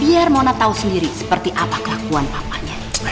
biar mona tau sendiri seperti apa kelakuan bapaknya